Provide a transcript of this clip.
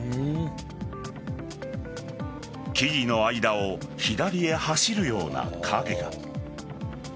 木々の間を左へ走るような影が。